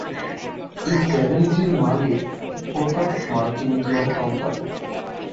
এই চ্যানেলটির মালিক ফোকাস মাল্টিমিডিয়া কোম্পানী।